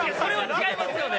違いますよね？